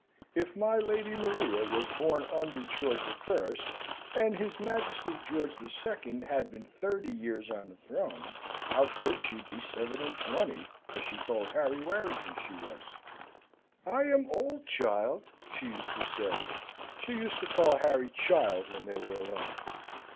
If my Lady Maria was born under George I., and his Majesty George II. had been thirty years on the throne, how could she be seven and twenty, as she told Harry Warrington she was? "I am old, child," she used to say. She used to call Harry "child" when they were alone.